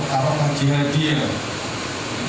kalau tak jilat jilat